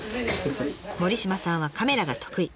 森島さんはカメラが得意。